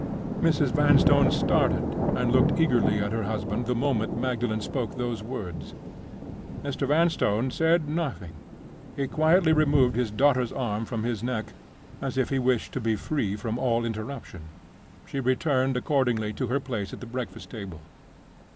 Mrs. Vanstone started, and looked eagerly at her husband the moment Magdalen spoke those words. Mr. Vanstone said nothing. He quietly removed his daughter's arm from his neck, as if he wished to be free from all interruption. She returned, accordingly, to her place at the breakfast table.